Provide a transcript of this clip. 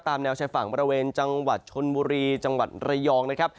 แนวชายฝั่งบริเวณจังหวัดชนบุรีจังหวัดระยองนะครับ